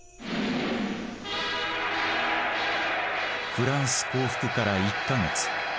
フランス降伏から１か月。